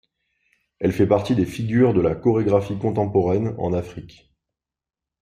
Elle fait partie des figures de la chorégraphie contemporaine en Afrique.